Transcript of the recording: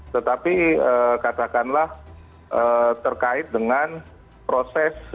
tetapi katakanlah terkait dengan proses